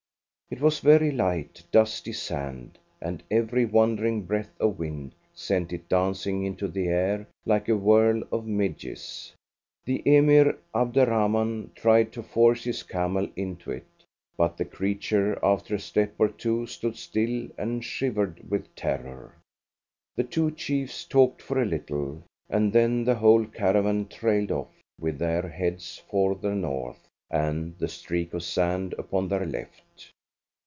It was very light, dusty sand, and every wandering breath of wind sent it dancing into the air like a whirl of midges. The Emir Abderrahman tried to force his camel into it, but the creature, after a step or two, stood still and shivered with terror. The two chiefs talked for a little, and then the whole caravan trailed off with their heads for the north, and the streak of sand upon their left.